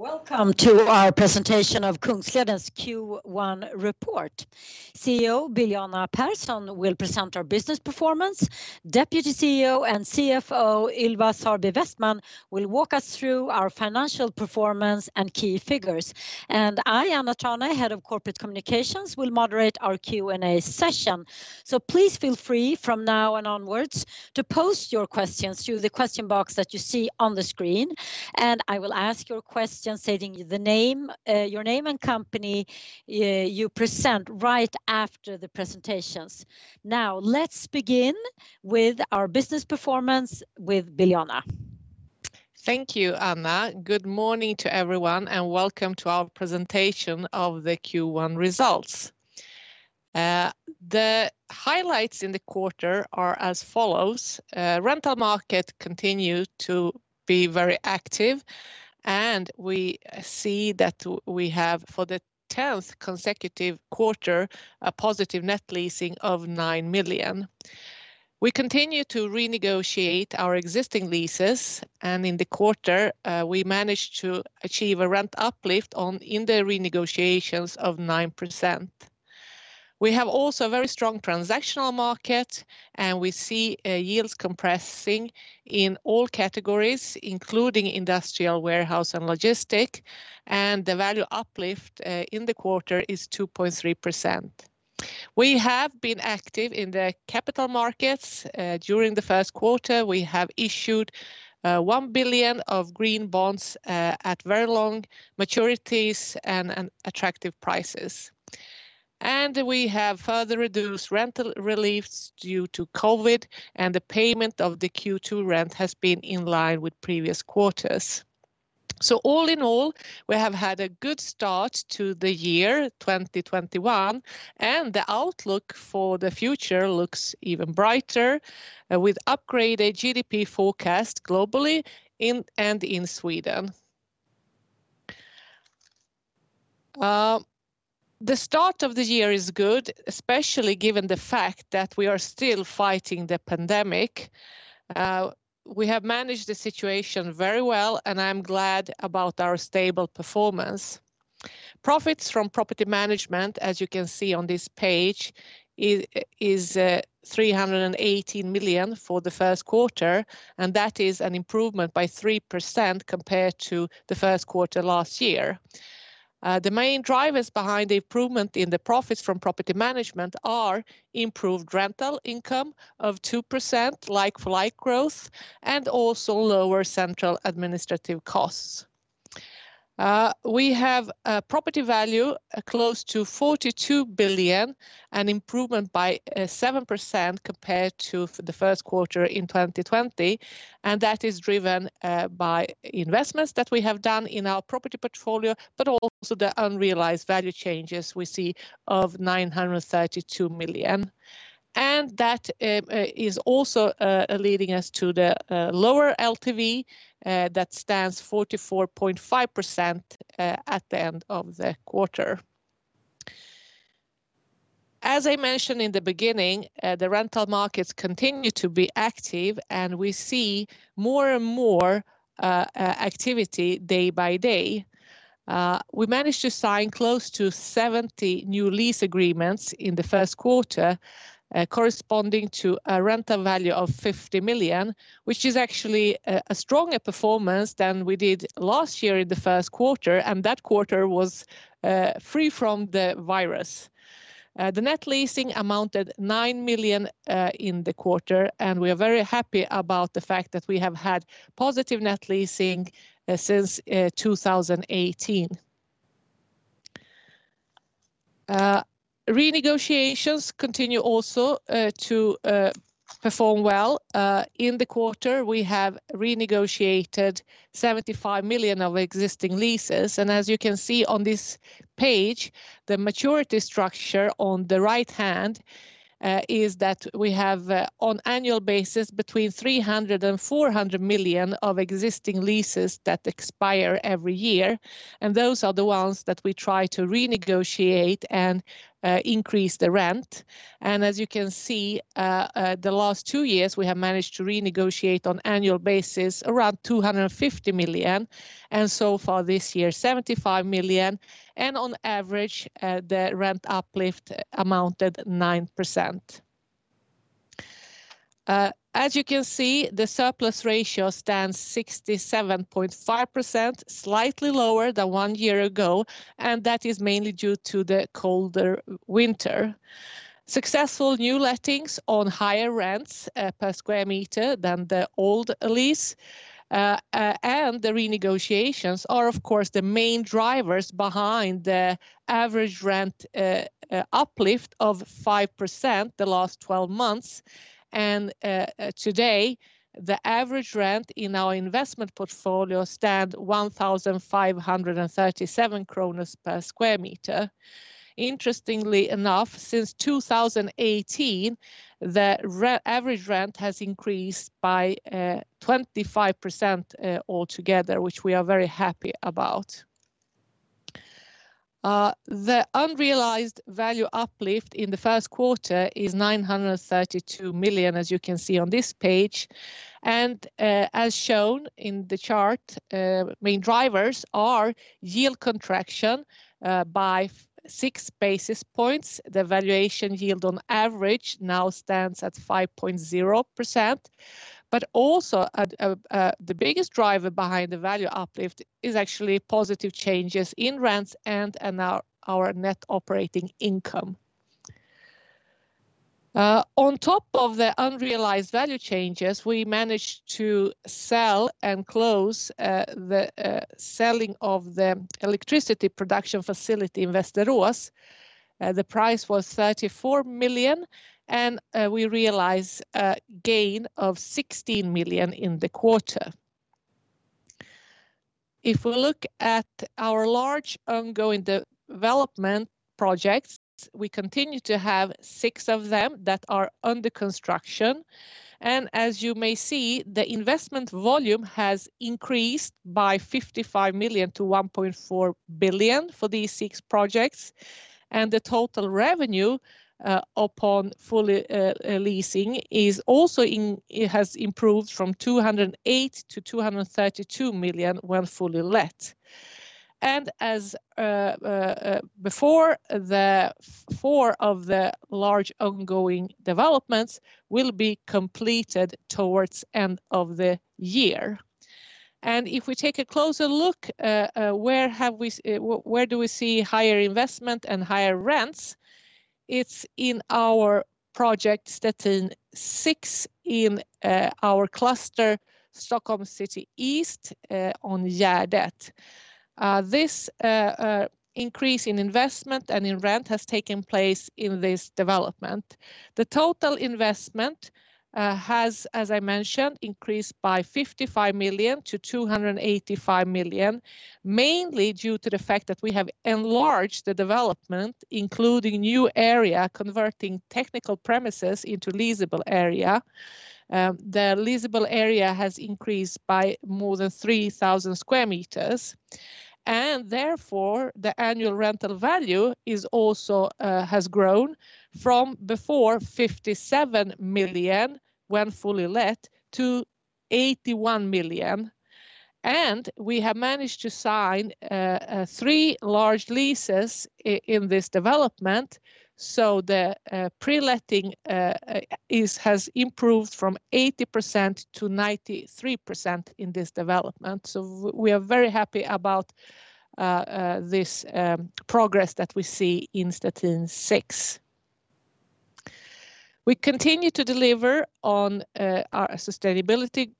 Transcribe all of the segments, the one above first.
Welcome to our presentation of Kungsleden's Q1 report. CEO Biljana Pehrsson will present our business performance. Deputy CEO and CFO Ylva Sarby Westman will walk us through our financial performance and key figures. I, Anna Trane, Head of Corporate Communications, will moderate our Q&A session. Please feel free from now and onwards to post your questions through the question box that you see on the screen, and I will ask your question, stating your name and company you present right after the presentations. Let's begin with our business performance with Biljana. Thank you, Anna. Welcome to our presentation of the Q1 results. The highlights in the quarter are as follows. Rental market continued to be very active, and we see that we have, for the 10th consecutive quarter, a positive net leasing of 9 million. We continue to renegotiate our existing leases, and in the quarter, we managed to achieve a rent uplift in the renegotiations of 9%. We have also a very strong transactional market. We see yields compressing in all categories, including industrial, warehouse, and logistic. The value uplift in the quarter is 2.3%. We have been active in the capital markets. During the first quarter, we have issued 1 billion of green bonds at very long maturities and at attractive prices. We have further reduced rental reliefs due to COVID, and the payment of the Q2 rent has been in line with previous quarters. All in all, we have had a good start to the year 2021, and the outlook for the future looks even brighter, with upgraded GDP forecast globally and in Sweden. The start of the year is good, especially given the fact that we are still fighting the pandemic. We have managed the situation very well, and I'm glad about our stable performance. Profits from property management, as you can see on this page, is 318 million for the first quarter, and that is an improvement by 3% compared to the first quarter last year. The main drivers behind the improvement in the profits from property management are improved rental income of 2% like-for-like growth and also lower central administrative costs. We have a property value close to 42 billion, an improvement by 7% compared to the first quarter in 2020. That is driven by investments that we have done in our property portfolio, but also the unrealized value changes we see of 932 million. That is also leading us to the lower LTV that stands 44.5% at the end of the quarter. As I mentioned in the beginning, the rental markets continue to be active, and we see more and more activity day by day. We managed to sign close to 70 new lease agreements in the first quarter, corresponding to a rental value of 50 million, which is actually a stronger performance than we did last year in the first quarter, and that quarter was free from the virus. The net leasing amounted 9 million in the quarter. We are very happy about the fact that we have had positive net leasing since 2018. Renegotiations continue also to perform well. In the quarter, we have renegotiated 75 million of existing leases. As you can see on this page, the maturity structure on the right hand is that we have, on annual basis, between 300 million and 400 million of existing leases that expire every year. Those are the ones that we try to renegotiate and increase the rent. As you can see, the last two years, we have managed to renegotiate on annual basis around 250 million, and so far this year, 75 million. On average, the rent uplift amounted 9%. As you can see, the surplus ratio stands 67.5%, slightly lower than one year ago, and that is mainly due to the colder winter. Successful new lettings on higher rents per square meter than the old lease, the renegotiations are, of course, the main drivers behind the average rent uplift of 5% the last 12 months. Today, the average rent in our investment portfolio stand 1,537 kronor/sq m. Interestingly enough, since 2018, the average rent has increased by 25% altogether, which we are very happy about. The unrealized value uplift in the first quarter is 932 million, as you can see on this page. As shown in the chart, main drivers are yield contraction by 6 basis points. The valuation yield on average now stands at 5.0%, also the biggest driver behind the value uplift is actually positive changes in rents and our net operating income. On top of the unrealized value changes, we managed to sell and close the selling of the electricity production facility in Västerås. The price was 34 million. We realized a gain of 16 million in the quarter. If we look at our large ongoing development projects, we continue to have six of them that are under construction. As you may see, the investment volume has increased by 55 million-1.4 billion for these six projects. The total revenue upon full leasing has also improved from 208 million-232 million when fully let. As before, the four of the large ongoing developments will be completed towards end of the year. If we take a closer look, where do we see higher investment and higher rents? It's in our project Stettin 6 in our cluster Stockholm City East on Gärdet. This increase in investment and in rent has taken place in this development. The total investment has, as I mentioned, increased by 55 million-285 million, mainly due to the fact that we have enlarged the development, including new area, converting technical premises into leasable area. The leasable area has increased by more than 3,000 sq m, and therefore, the annual rental value has also grown from before 57 million when fully let to 81 million. We have managed to sign three large leases in this development. The pre-letting has improved from 80%-93% in this development. We are very happy about this progress that we see in Stettin 6. We continue to deliver on our sustainability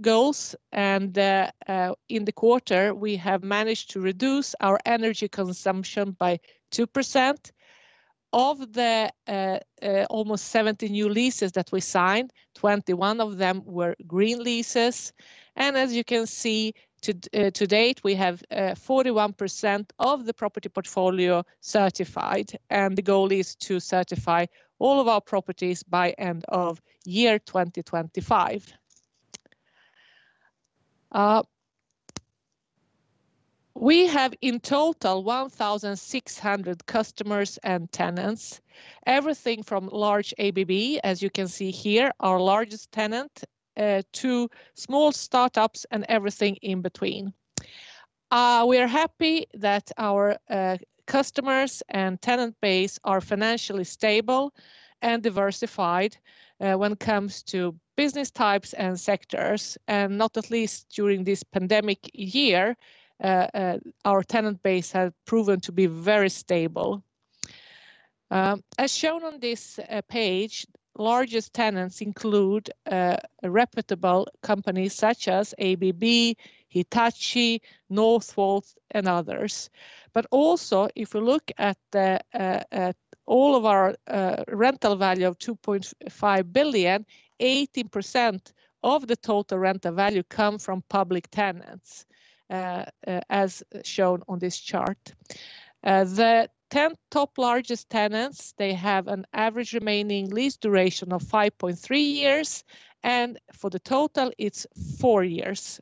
goals, and in the quarter, we have managed to reduce our energy consumption by 2% of the almost 70 new leases that we signed, 21 of them were green leases, and as you can see, to date, we have 41% of the property portfolio certified, and the goal is to certify all of our properties by end of year 2025. We have in total 1,600 customers and tenants. Everything from large ABB, as you can see here, our largest tenant, to small startups and everything in between. We are happy that our customers and tenant base are financially stable and diversified when it comes to business types and sectors, and not at least during this pandemic year, our tenant base has proven to be very stable. As shown on this page, largest tenants include reputable companies such as ABB, Hitachi, Northvolt, and others. Also if you look at all of our rental value of 2.5 billion, 18% of the total rental value come from public tenants, as shown on this chart. The 10 top largest tenants, they have an average remaining lease duration of 5.3 years, and for the total, it's four years,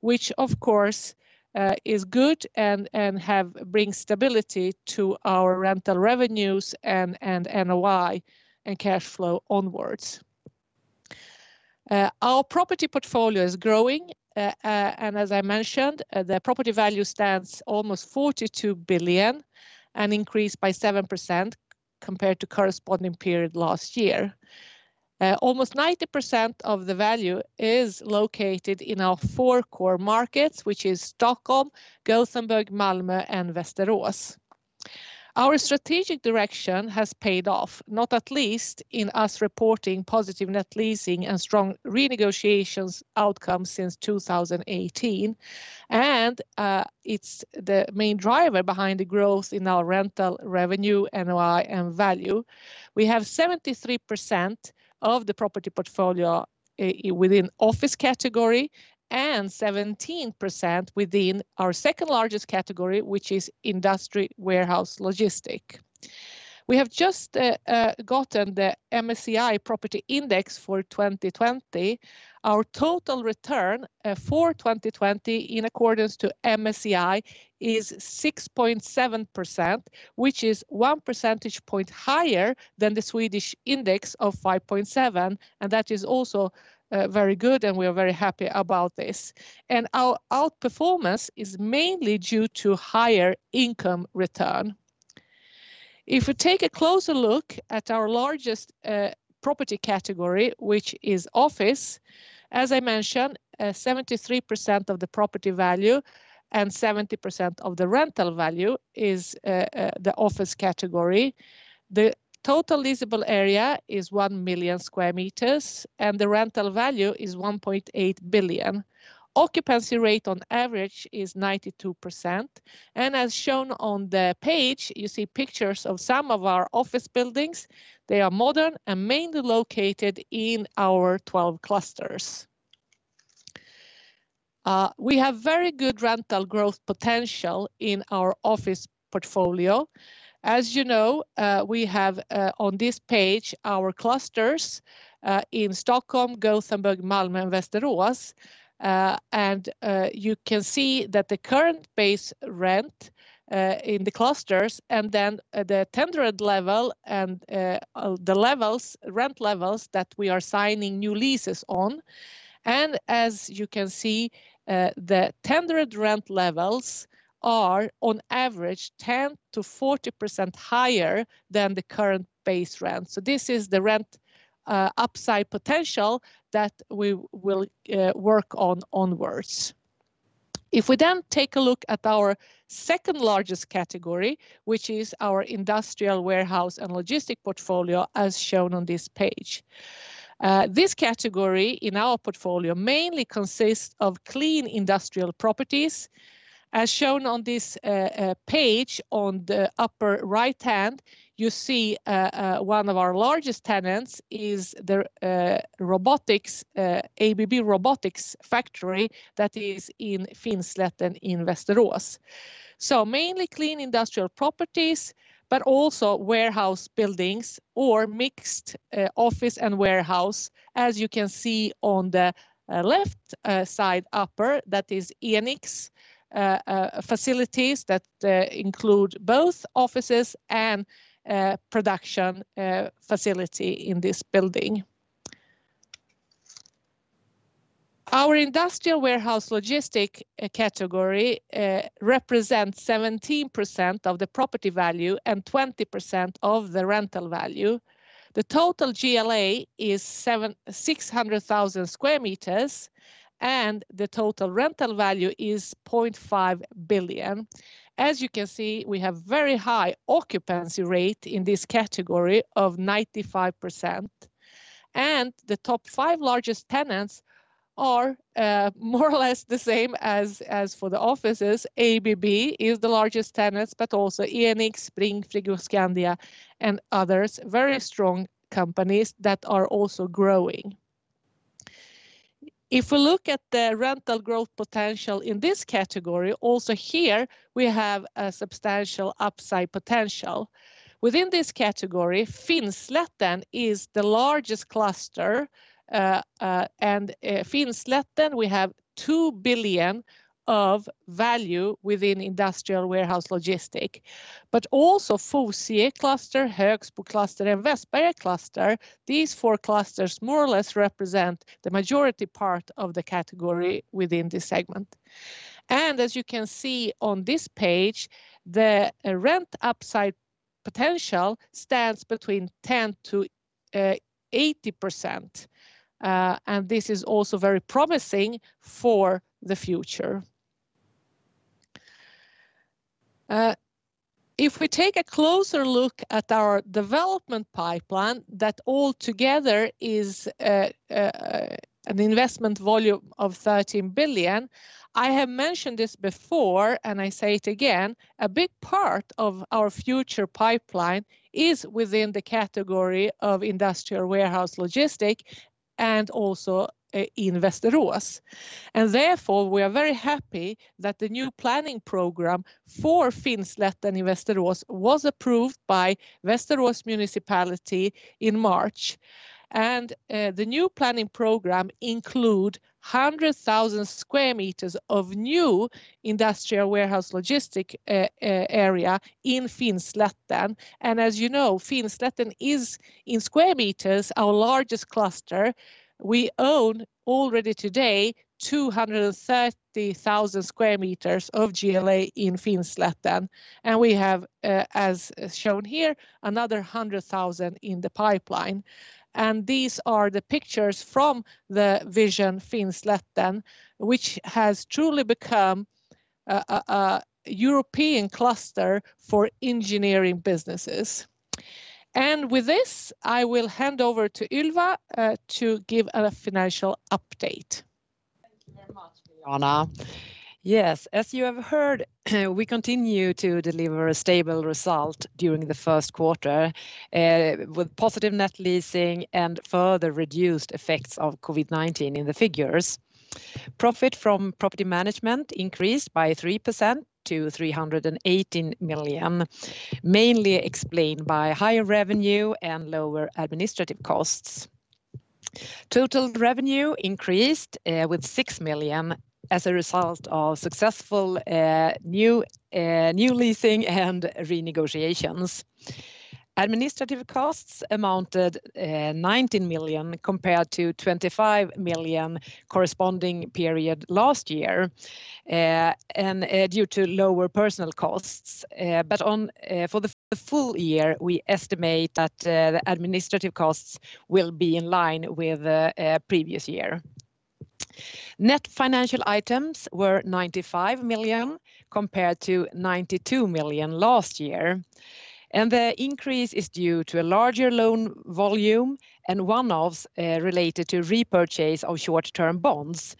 which of course is good and brings stability to our rental revenues and NOI and cash flow onwards. Our property portfolio is growing. As I mentioned, the property value stands almost 42 billion, an increase by 7% compared to corresponding period last year. Almost 90% of the value is located in our four core markets, which is Stockholm, Gothenburg, Malmö, and Västerås. Our strategic direction has paid off, not at least in us reporting positive net leasing and strong renegotiations outcomes since 2018. It's the main driver behind the growth in our rental revenue, NOI, and value. We have 73% of the property portfolio within office category and 17% within our second-largest category, which is industry warehouse logistic. We have just gotten the MSCI Property Index for 2020. Our total return for 2020, in accordance with MSCI, is 6.7%, which is 1 percentage point higher than the Swedish index of 5.7%, and that is also very good, and we are very happy about this. Our outperformance is mainly due to higher income return. If we take a closer look at our largest property category, which is office, as I mentioned, 73% of the property value and 70% of the rental value is the office category. The total leasable area is 1 million sq m, and the rental value is 1.8 billion. Occupancy rate on average is 92%. As shown on the page, you see pictures of some of our office buildings. They are modern and mainly located in our 12 clusters. We have very good rental growth potential in our office portfolio. As you know, we have on this page our clusters in Stockholm, Gothenburg, Malmö, and Västerås. You can see the current base rent in the clusters, the tendered level and the rent levels that we are signing new leases on. As you can see, the tendered rent levels are on average 10%-40% higher than the current base rent. This is the rent upside potential that we will work on onwards. If we then take a look at our second-largest category, which is our industrial warehouse and logistics portfolio, as shown on this page. This category in our portfolio mainly consists of clean industrial properties. As shown on this page on the upper right-hand, you see one of our largest tenants is the ABB robotics factory that is in Finslätten in Västerås. Mainly clean industrial properties, but also warehouse buildings or mixed office and warehouse, as you can see on the left side upper, that is E.ON facilities that include both offices and a production facility in this building. Our industrial warehouse logistic category represents 17% of the property value and 20% of the rental value. The total GLA is 600,000 sq m, and the total rental value is 0.5 billion. As you can see, we have a very high occupancy rate in this category of 95%. The top five largest tenants are more or less the same as for the offices. ABB is the largest tenant, but also E.ON, Bring, Frigoscandia, and others, very strong companies that are also growing. We look at the rental growth potential in this category, also here we have a substantial upside potential. Within this category, Finslätten is the largest cluster. Finslätten, we have 2 billion of value within industrial warehouse logistic. Also Fosie cluster, Högsbo cluster, and Väsby cluster, these 4 clusters more or less represent the majority part of the category within this segment. As you can see on this page, the rent upside potential stands between 10%-80%, and this is also very promising for the future. We take a closer look at our development pipeline, that all together is an investment volume of 13 billion. I have mentioned this before, and I say it again, a big part of our future pipeline is within the category of industrial warehouse logistic and also in Västerås. Therefore, we are very happy that the new planning program for Finslätten in Västerås was approved by Västerås Municipality in March. The new planning program includes 100,000 sq m of new industrial warehouse logistic area in Finslätten. As you know, Finslätten is, in square meters, our largest cluster. We own already today 230,000 sq m of GLA in Finslätten, and we have, as shown here, another 100,000 in the pipeline. These are the pictures from the vision Finslätten, which has truly become a European cluster for engineering businesses. With this, I will hand over to Ylva to give a financial update. Thank you very much, Biljana. Yes, as you have heard, we continue to deliver a stable result during the first quarter with positive net leasing and further reduced effects of COVID-19 in the figures. Profit from property management increased by 3% to 318 million, mainly explained by higher revenue and lower administrative costs. Total revenue increased with 6 million as a result of successful new leasing and renegotiations. Administrative costs amounted 19 million compared to 25 million corresponding period last year, and due to lower personnel costs. For the full year, we estimate that the administrative costs will be in line with the previous year. Net financial items were 95 million compared to 92 million last year, and the increase is due to a larger loan volume and one-offs related to repurchase of short-term bonds.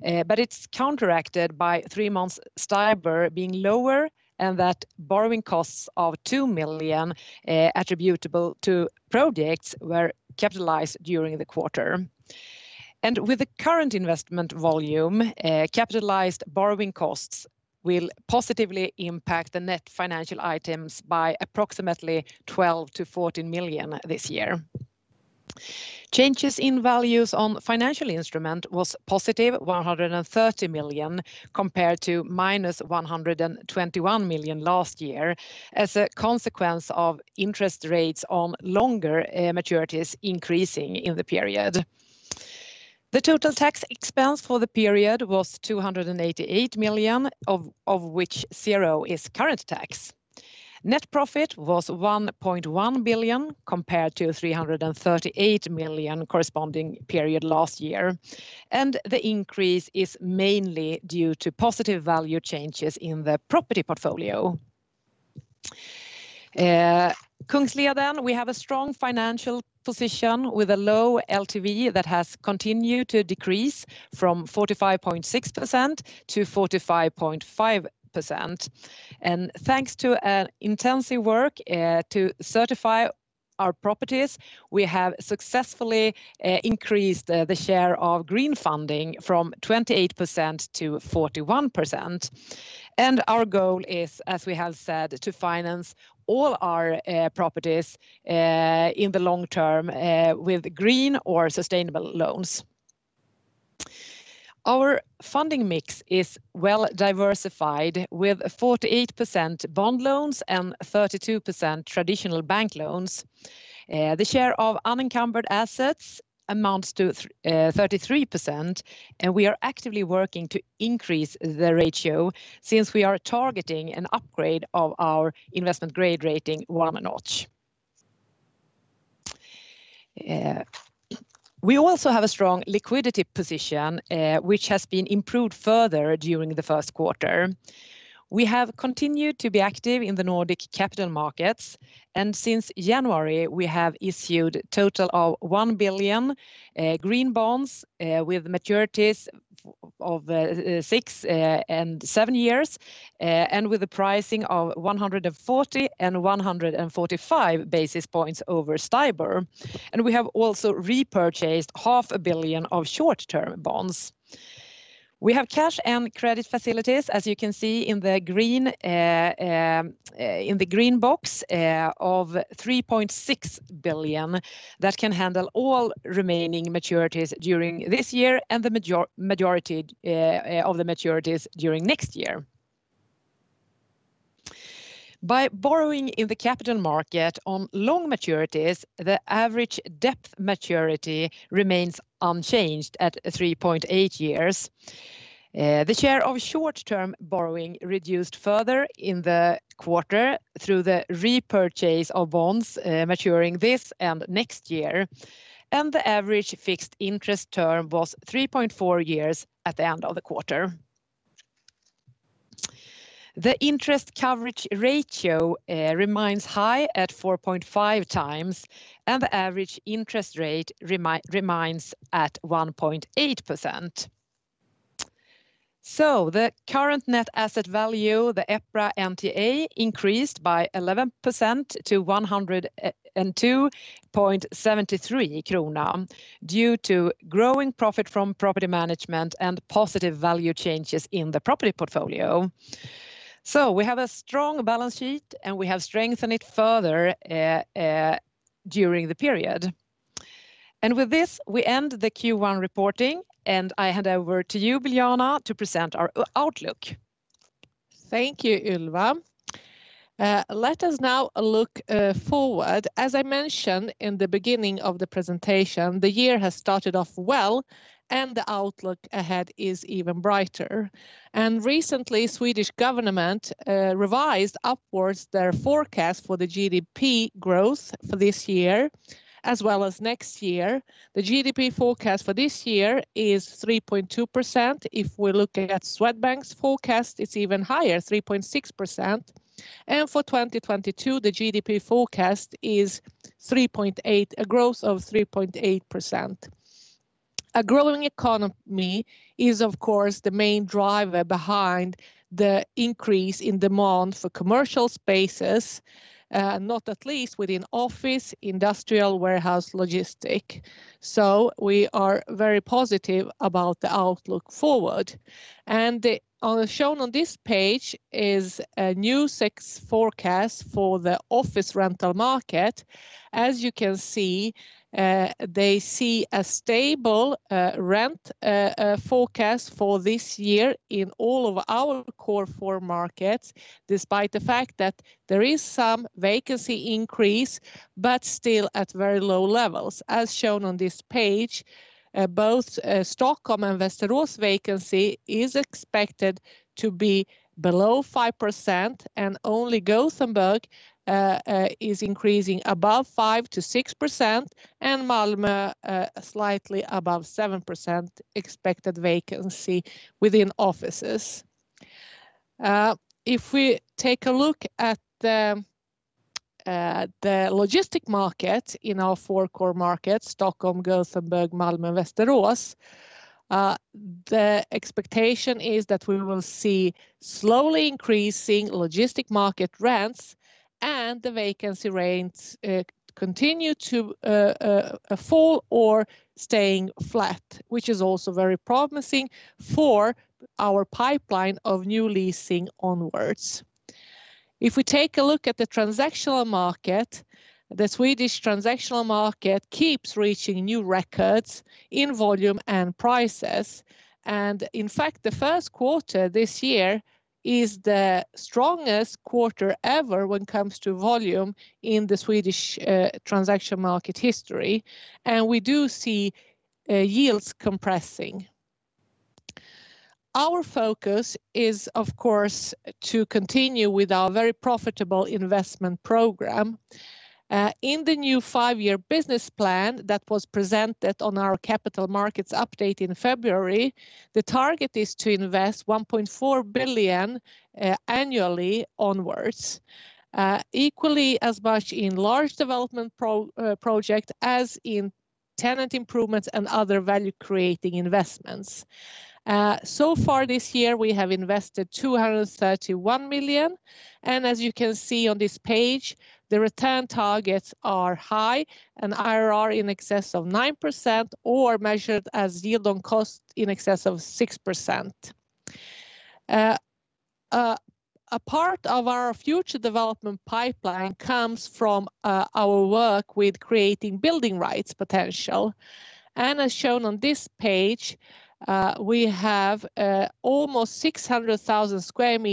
It's counteracted by three months STIBOR being lower and that borrowing costs of 2 million, attributable to projects, were capitalized during the quarter. With the current investment volume, capitalized borrowing costs will positively impact the net financial items by approximately 12 million-14 million this year. Changes in values on financial instrument was +130 million, compared to -121 million last year, as a consequence of interest rates on longer maturities increasing in the period. The total tax expense for the period was 288 million, of which zero is current tax. Net profit was 1.1 billion compared to 338 million corresponding period last year. The increase is mainly due to positive value changes in the property portfolio. Kungsleden, we have a strong financial position with a low LTV that has continued to decrease from 45.6%-45.5%. Thanks to an intensive work to certify our properties, we have successfully increased the share of green funding from 28%-41%. Our goal is, as we have said, to finance all our properties in the long term with green or sustainable loans. Our funding mix is well-diversified with 48% bond loans and 32% traditional bank loans. The share of unencumbered assets amounts to 33%. We are actively working to increase the ratio since we are targeting an upgrade of our investment grade rating one notch. We also have a strong liquidity position, which has been improved further during the first quarter. We have continued to be active in the Nordic capital markets. Since January, we have issued total of 1 billion green bonds, with maturities of six and seven years, and with the pricing of 140 basis points and 145 basis points over STIBOR. We have also repurchased 500 million of short-term bonds. We have cash and credit facilities, as you can see in the green box, of 3.6 billion that can handle all remaining maturities during this year and the majority of the maturities during next year. By borrowing in the capital market on long maturities, the average debt maturity remains unchanged at 3.8 years. The share of short-term borrowing reduced further in the quarter through the repurchase of bonds maturing this and next year. The average fixed interest term was 3.4 years at the end of the quarter. The interest coverage ratio remains high at 4.5x, and the average interest rate remains at 1.8%. The current net asset value, the EPRA NTA, increased by 11% to 102.73 krona due to growing profit from property management and positive value changes in the property portfolio. We have a strong balance sheet, and we have strengthened it further during the period. With this, we end the Q1 reporting, and I hand over to you, Biljana, to present our outlook. Thank you, Ylva. Let us now look forward. As I mentioned in the beginning of the presentation, the year has started off well, and the outlook ahead is even brighter. Recently, Swedish government revised upwards their forecast for the GDP growth for this year as well as next year. The GDP forecast for this year is 3.2%. If we're looking at Swedbank's forecast, it's even higher, 3.6%. For 2022, the GDP forecast is a growth of 3.8%. A growing economy is of course the main driver behind the increase in demand for commercial spaces, not at least within office, industrial warehouse logistic. We are very positive about the outlook forward. Shown on this page is a Newsec forecast for the office rental market. As you can see, they see a stable rent forecast for this year in all of our core four markets, despite the fact that there is some vacancy increase, but still at very low levels. As shown on this page, both Stockholm and Västerås vacancy is expected to be below 5%, and only Gothenburg is increasing above 5%-6%, and Malmö slightly above 7% expected vacancy within offices. If we take a look at the logistic market in our four core markets, Stockholm, Gothenburg, Malmö, and Västerås, the expectation is that we will see slowly increasing logistic market rents and the vacancy rates continue to fall or staying flat, which is also very promising for our pipeline of new leasing onwards. If we take a look at the transactional market, the Swedish transactional market keeps reaching new records in volume and prices. In fact, the first quarter this year is the strongest quarter ever when it comes to volume in the Swedish transaction market history. We do see yields compressing. Our focus is, of course, to continue with our very profitable investment program. In the new five-year business plan that was presented on our capital markets update in February, the target is to invest 1.4 billion annually onwards, equally as much in large development projects as in tenant improvements and other value-creating investments. So far this year, we have invested 231 million, and as you can see on this page, the return targets are high, an IRR in excess of 9%, or measured as yield on cost in excess of 6%. A part of our future development pipeline comes from our work with creating building rights potential. As shown on this page, we have almost 600,000 sq m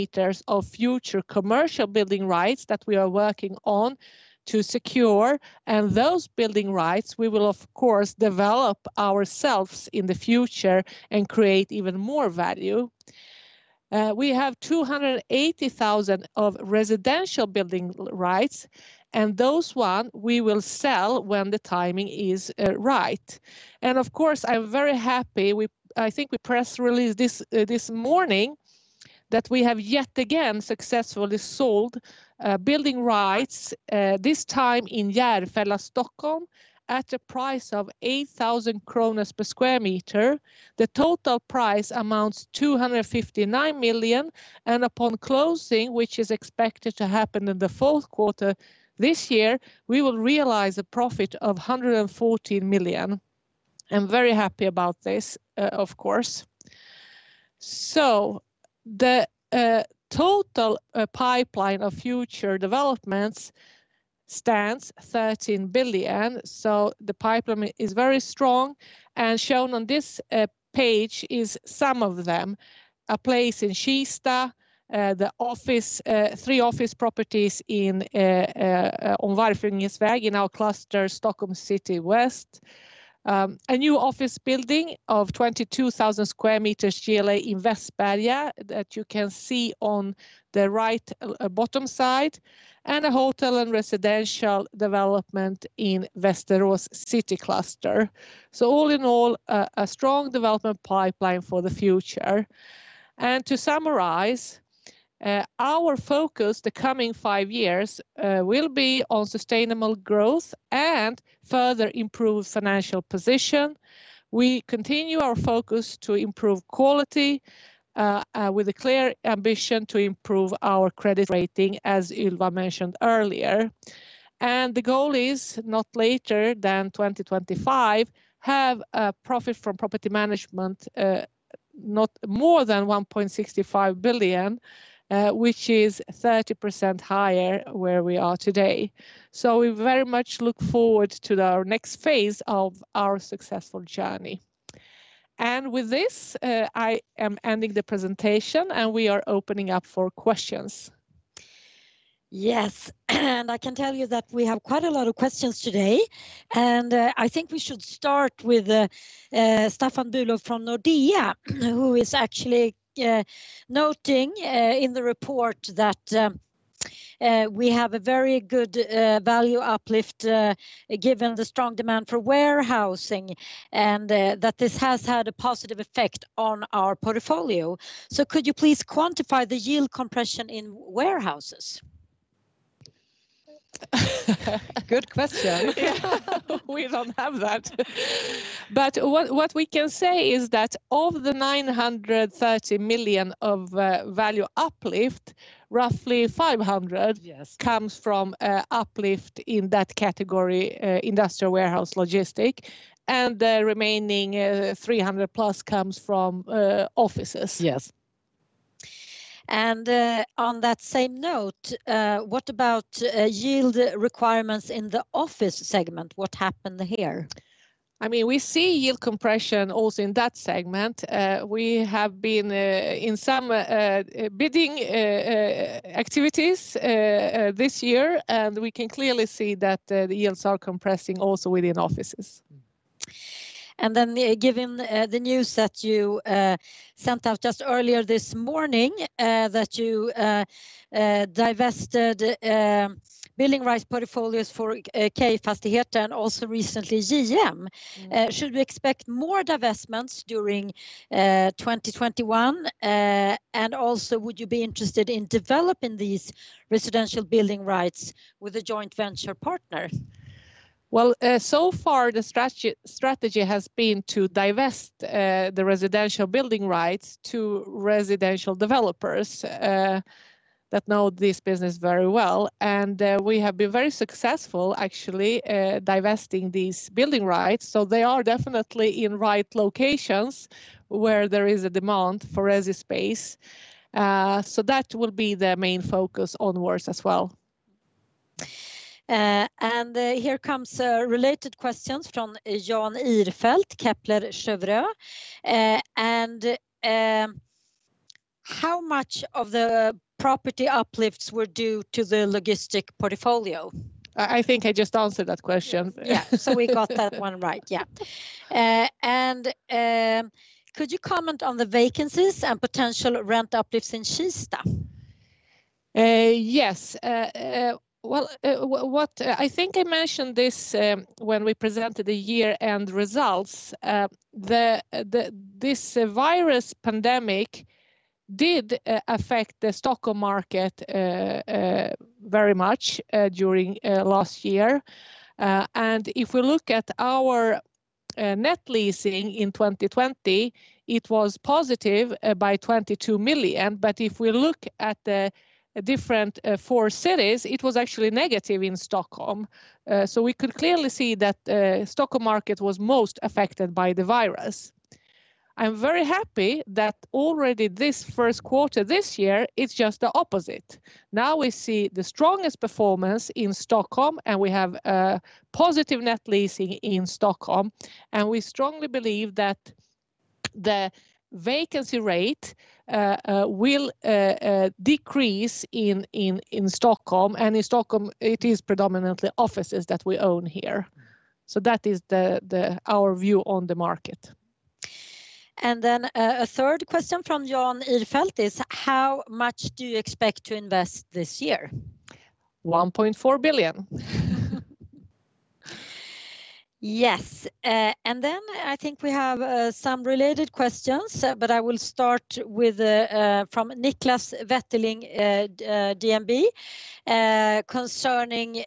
of future commercial building rights that we are working on to secure. Those building rights, we will of course develop ourselves in the future and create even more value. We have 280,000 of residential building rights, and those ones we will sell when the timing is right. Of course, I'm very happy. I think we press released this morning that we have yet again successfully sold building rights, this time in Järfälla, Stockholm, at a price of 8,000 kronor/sq m. The total price amounts 259 million, and upon closing, which is expected to happen in the fourth quarter this year, we will realize a profit of 114 million. I'm very happy about this, of course. The total pipeline of future developments stands 13 billion. The pipeline is very strong, and shown on this page is some of them. A place in Kista, three office properties on Warfvinges väg in our cluster Stockholm City West. A new office building of 22,000 sq m GLA in Västberga that you can see on the right bottom side, and a hotel and residential development in Västerås city cluster. All in all, a strong development pipeline for the future. To summarize, our focus the coming five years will be on sustainable growth and further improved financial position. We continue our focus to improve quality with a clear ambition to improve our credit rating, as Ylva mentioned earlier. The goal is, not later than 2025, have a profit from property management not more than 1.65 billion, which is 30% higher where we are today. We very much look forward to our next phase of our successful journey. With this, I am ending the presentation, and we are opening up for questions. Yes. I can tell you that we have quite a lot of questions today. I think we should start with Staffan Bülow from Nordea, who is actually noting in the report that we have a very good value uplift given the strong demand for warehousing, and that this has had a positive effect on our portfolio. Could you please quantify the yield compression in warehouses? Good question. We don't have that. What we can say is that of the 930 million of value uplift comes from uplift in that category, industrial warehouse logistic, and the remaining 300+ comes from offices. Yes. On that same note, what about yield requirements in the office segment? What happened here? We see yield compression also in that segment. We have been in some bidding activities this year. We can clearly see that the yields are compressing also within offices. Given the news that you sent out just earlier this morning that you divested building rights portfolios for K-Fastigheter and also recently JM, should we expect more divestments during 2021? Also, would you be interested in developing these residential building rights with a joint venture partner? Well, so far the strategy has been to divest the residential building rights to residential developers that know this business very well. We have been very successful actually divesting these building rights. They are definitely in right locations where there is a demand for resi space. That will be the main focus onwards as well. Here comes a related question from Jan Ihrfelt, Kepler Cheuvreux. How much of the property uplifts were due to the logistic portfolio? I think I just answered that question. Yeah. We got that one right. Yeah. Could you comment on the vacancies and potential rent uplifts in Kista? Yes. Well, I think I mentioned this when we presented the year-end results. This virus pandemic did affect the Stockholm market very much during last year. If we look at our net leasing in 2020, it was positive by 22 million. If we look at the different four cities, it was actually negative in Stockholm. We could clearly see that Stockholm market was most affected by the virus. I'm very happy that already this first quarter, this year, it's just the opposite. Now we see the strongest performance in Stockholm, and we have positive net leasing in Stockholm. We strongly believe that the vacancy rate will decrease in Stockholm. In Stockholm, it is predominantly offices that we own here. That is our view on the market. A third question from Jan Ihrfelt is, how much do you expect to invest this year? 1.4 billion. Yes. I think we have some related questions, but I will start with from Niklas Wåhlin, DNB, concerning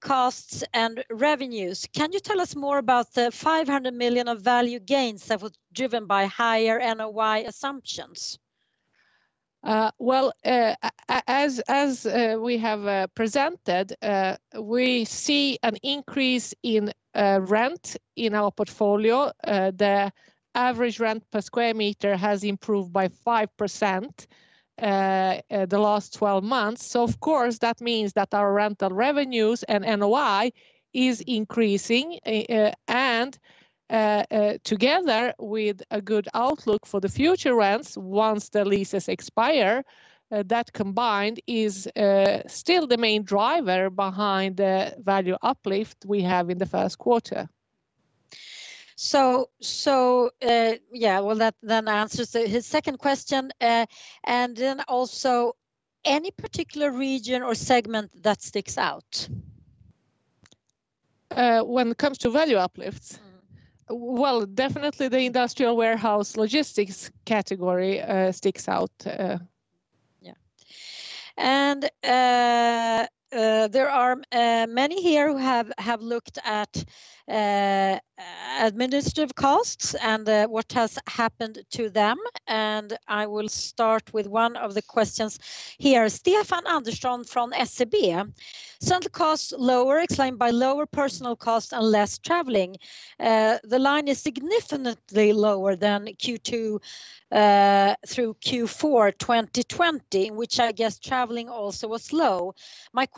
costs and revenues. Can you tell us more about the 500 million of value gains that was driven by higher NOI assumptions? Well, as we have presented, we see an increase in rent in our portfolio. The average rent per square meter has improved by 5% the last 12 months. Of course, that means that our rental revenues and NOI is increasing, and together with a good outlook for the future rents once the leases expire, that combined is still the main driver behind the value uplift we have in the first quarter. Yeah. That then answers his second question. Also, any particular region or segment that sticks out? When it comes to value uplifts? Well, definitely the industrial warehouse logistics category sticks out. Yeah. There are many here who have looked at administrative costs and what has happened to them, and I will start with one of the questions here. Stefan Andersson from SEB. "Central costs lower, explained by lower personal costs and less traveling. The line is significantly lower than Q2 through Q4 2020, in which I guess traveling also was low.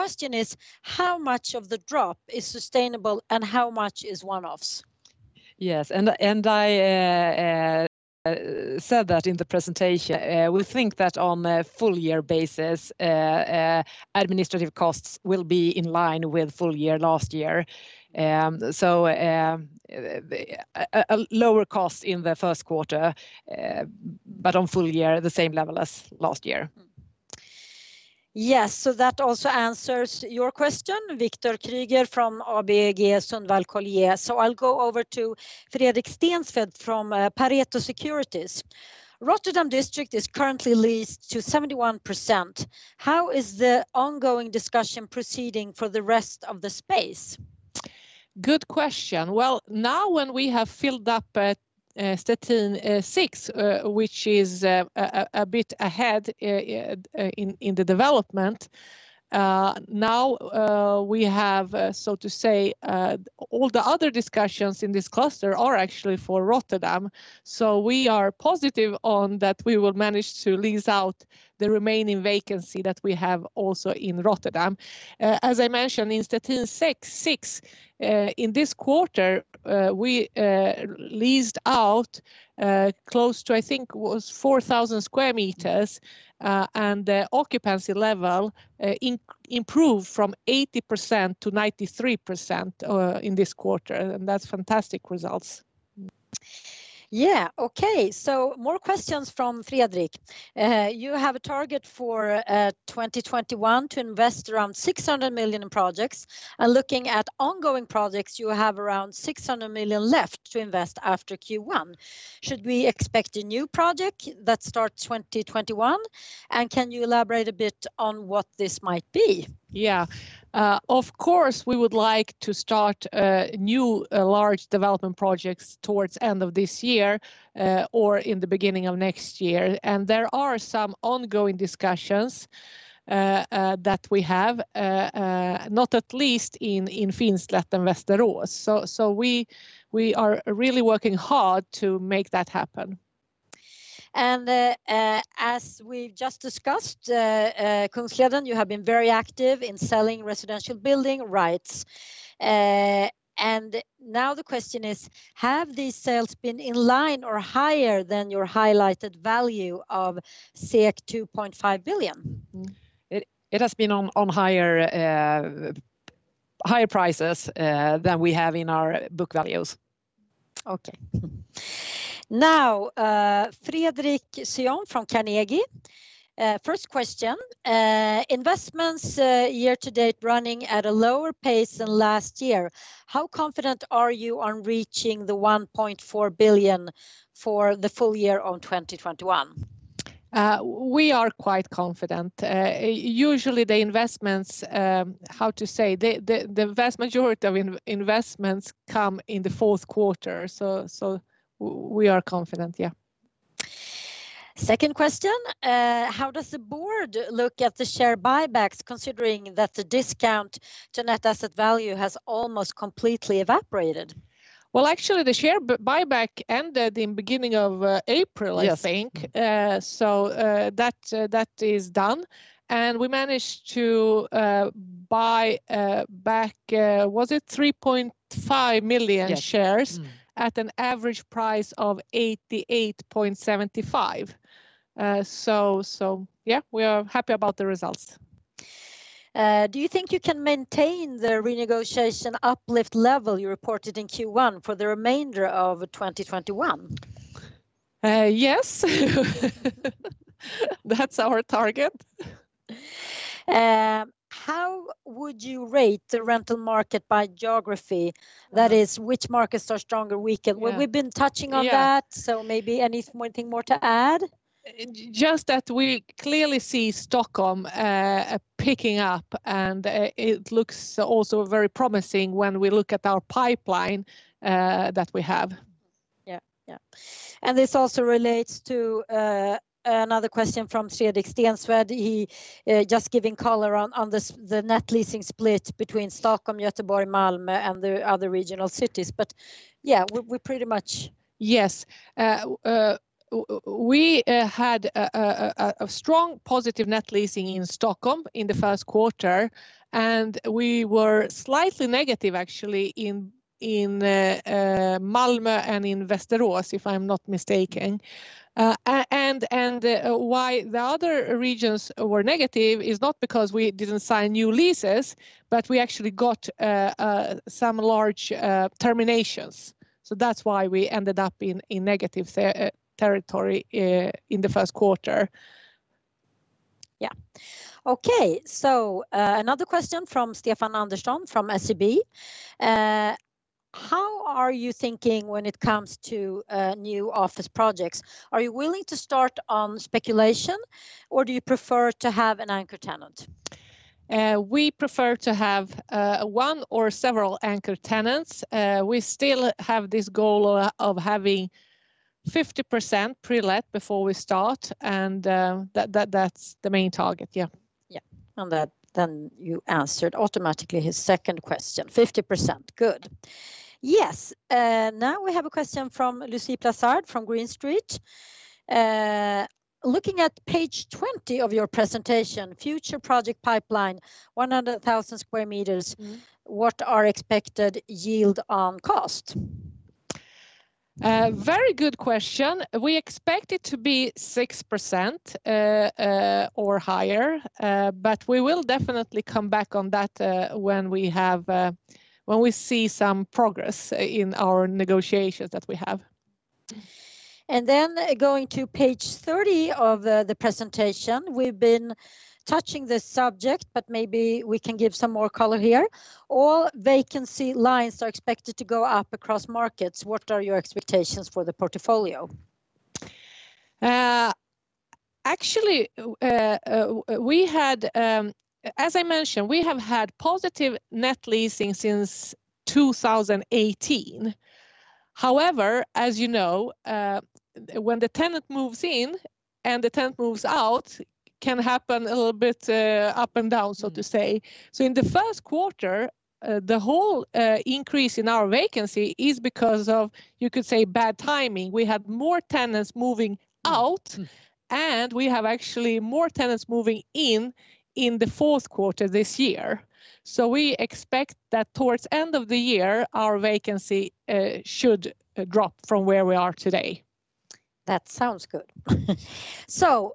My question is, how much of the drop is sustainable, and how much is one-offs? Yes, I said that in the presentation. We think that on a full year basis, administrative costs will be in line with full year last year. A lower cost in the first quarter, but on full year, the same level as last year. Yes. That also answers your question, Victor Krüeger from ABG Sundal Collier. I'll go over to Fredrik Stensved from Pareto Securities. "Rotterdam District is currently leased to 71%. How is the ongoing discussion proceeding for the rest of the space? Good question. Well, now when we have filled up Stettin 6, which is a bit ahead in the development, all the other discussions in this cluster are actually for Rotterdam. We are positive that we will manage to lease out the remaining vacancy that we have also in Rotterdam. As I mentioned, in Stettin 6, in this quarter, we leased out close to, I think it was 4,000 sq m, and the occupancy level improved from 80%-93% in this quarter, and that's fantastic results. Yeah. Okay. More questions from Fredrik. You have a target for 2021 to invest around 600 million in projects. Looking at ongoing projects, you have around 600 million left to invest after Q1. Should we expect a new project that starts 2021? Can you elaborate a bit on what this might be? Yeah. Of course, we would like to start new large development projects towards the end of this year or in the beginning of next year. There are some ongoing discussions that we have, not at least in Finslätten and Västerås. We are really working hard to make that happen. As we've just discussed, Kungsleden, you have been very active in selling residential building rights. Now the question is, have these sales been in line or higher than your highlighted value of 2.5 billion? It has been on higher prices than we have in our book values. Okay. Fredrik Skjöld from Carnegie. First question. Investments year to date running at a lower pace than last year. How confident are you on reaching the 1.4 billion for the full year of 2021? We are quite confident. Usually the vast majority of investments come in the fourth quarter, so we are confident, yeah. Second question, how does the board look at the share buybacks considering that the discount to net asset value has almost completely evaporated? Well, actually the share buyback ended in the beginning of April, I think. That is done. We managed to buy back, was it 3.5 million shares? At an average price of 88.75. Yeah, we are happy about the results. Do you think you can maintain the renegotiation uplift level you reported in Q1 for the remainder of 2021? Yes. That's our target. How would you rate the rental market by geography? That is, which markets are stronger, weaker? Well, we've been touching on that. Maybe anything more to add? Just that we clearly see Stockholm picking up, and it looks also very promising when we look at our pipeline that we have. Yeah. This also relates to another question from Fredrik Stensved. He just giving color on the net leasing split between Stockholm, Gothenburg, Malmö, and the other regional cities. Yes. We had a strong positive net leasing in Stockholm in the first quarter, and we were slightly negative actually in Malmö and in Västerås, if I'm not mistaken. Why the other regions were negative is not because we didn't sign new leases, but we actually got some large terminations. That's why we ended up in negative territory in the first quarter. Okay, another question from Stefan Andersson from SEB. How are you thinking when it comes to new office projects? Are you willing to start on speculation, or do you prefer to have an anchor tenant? We prefer to have one or several anchor tenants. We still have this goal of having 50% pre-let before we start, and that's the main target. Yeah. Then you answered automatically his second question, 50%. Good. Yes. We have a question from Lucie Plassard from Green Street. Looking at page 20 of your presentation, future project pipeline, 100,000 sq m, what are expected yield on cost? Very good question. We expect it to be 6% or higher. We will definitely come back on that when we see some progress in our negotiations that we have. Going to page 30 of the presentation, we've been touching this subject, but maybe we can give some more color here. All vacancy lines are expected to go up across markets. What are your expectations for the portfolio? As I mentioned, we have had positive net leasing since 2018. However, as you know, when the tenant moves in and the tenant moves out, it can happen a little bit up and down, so to say. In the first quarter, the whole increase in our vacancy is because of, you could say, bad timing. We had more tenants moving out, and we have actually more tenants moving in in the fourth quarter this year. We expect that towards the end of the year, our vacancy should drop from where we are today. That sounds good.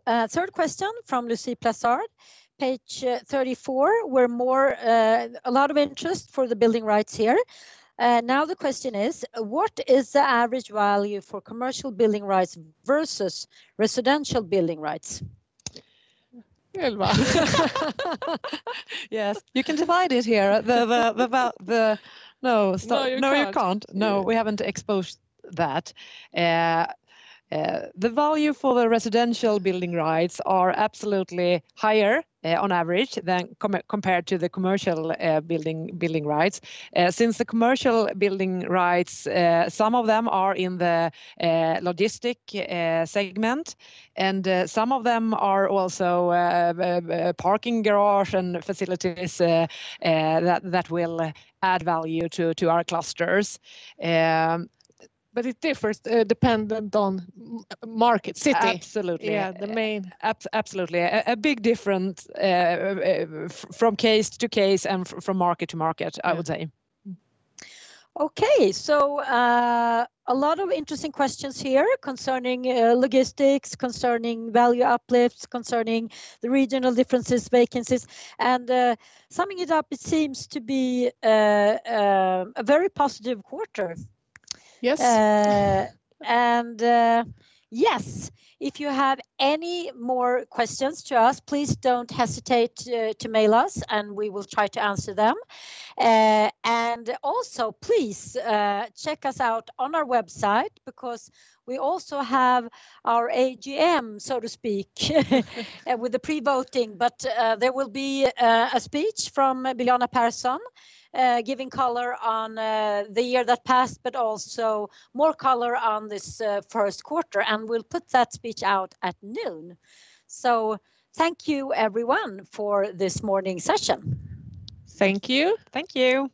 Third question from Lucie Plassard, page 34, a lot of interest for the building rights here. The question is, "What is the average value for commercial building rights versus residential building rights? Ylva? Yes. You can divide it here. No, stop. No, you can't. No, we haven't exposed that. The value for the residential building rights are absolutely higher on average compared to the commercial building rights. Since the commercial building rights, some of them are in the logistic segment, and some of them are also parking garage and facilities that will add value to our clusters. It differs dependent on market city. Absolutely. A big difference from case to case and from market to market, I would say. Okay. A lot of interesting questions here concerning logistics, concerning value uplifts, concerning the regional differences, vacancies, and summing it up, it seems to be a very positive quarter. Yes, if you have any more questions to ask, please don't hesitate to email us, and we will try to answer them. Also, please check us out on our website because we also have our AGM, so to speak, with the pre-voting. There will be a speech from Biljana Pehrsson giving color on the year that passed, but also more color on this first quarter, and we'll put that speech out at noon. Thank you, everyone, for this morning session. Thank you. Thank you.